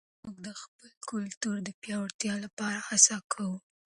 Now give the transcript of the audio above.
موږ د خپل کلتور د پیاوړتیا لپاره هڅه کوو.